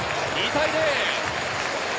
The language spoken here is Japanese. ２対０。